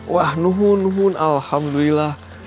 wah nuhun nuhun alhamdulillah